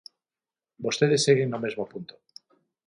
Vostedes seguen no mesmo punto.